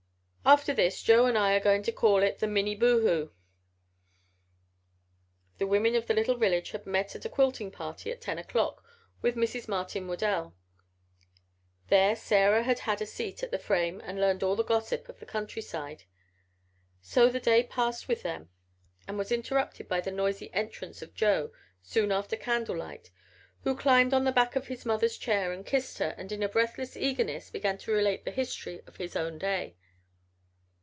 "After this Joe and I are going to call it the Minneboohoo." The women of the little village had met at a quilting party at ten o'clock with Mrs. Martin Waddell. There Sarah had had a seat at the frame and heard all the gossip of the countryside. ... So the day passed with them and was interrupted by the noisy entrance of Joe, soon after candlelight, who climbed on the back of his mother's chair and kissed her and in breathless eagerness began to relate the history of his own day.